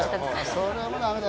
それはもうダメだ